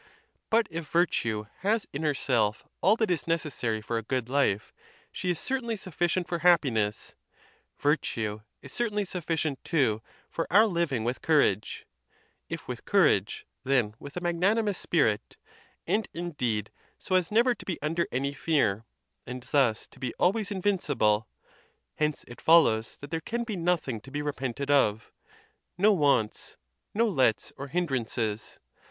But if virtue has in her self all that is necessary for a good life, she is certainly sufficient for happiness: virtue is certainly sufficient, too, for our living with courage; if with courage, then with a magnanimous spirit, and indeed so as never to be under any fear, and thus to be always invincible. Hence it fol lows that there can be nothing to be repented of, no'wants, no lets or hinderances.